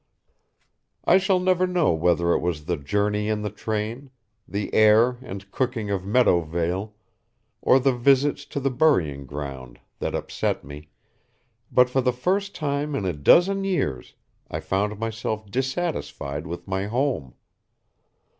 I shall never know whether it was the journey in the train, the air and cooking of Meadowvale, or the visits to the burying ground, that upset me, but for the first time in a dozen years I found myself dissatisfied with my home.